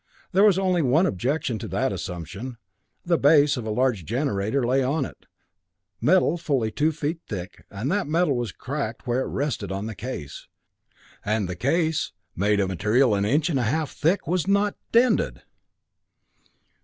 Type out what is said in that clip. There was only one objection to that assumption. The base of a large generator lay on it, metal fully two feet thick, and that metal was cracked where it rested on the case, and the case, made of material an inch and a half thick, was not dented!